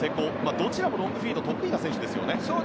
どちらもロングフィードが得意ですね。